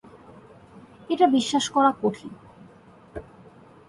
এটা বিশ্বাস করা কঠিন।